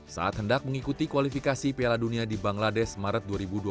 saat hendak mengikuti kualifikasi piala dunia di bangladesh maret dua ribu dua puluh